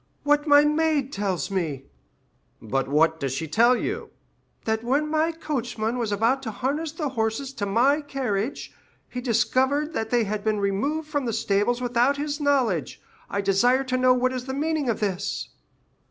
"What my maid tells me." "But what does she tell you?" "That when my coachman was about to harness the horses to my carriage, he discovered that they had been removed from the stables without his knowledge. I desire to know what is the meaning of this?"